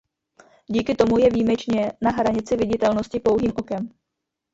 Díky tomu je výjimečně na hranici viditelnosti pouhým okem.